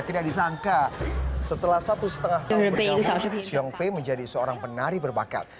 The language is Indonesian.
tidak disangka setelah satu setengah tahun berjauh xiong fi menjadi seorang penari berbakat